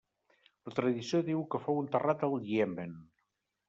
La tradició diu que fou enterrat al Iemen.